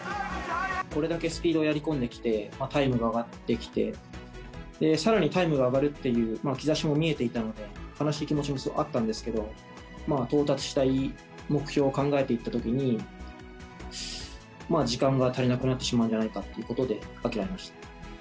これだけスピードをやり込んできて、タイムが上がってきて、さらにタイムが上がるっていう兆しも見えていたので、悲しい気持ちもすごいあったんですけど、到達したい目標を考えていったときに、時間が足りなくなってしまうんじゃないかということで諦めました。